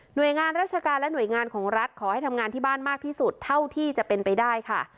โดยงานราชการและหน่วยงานของรัฐขอให้ทำงานที่บ้านมากที่สุดเท่าที่จะเป็นไปได้ค่ะ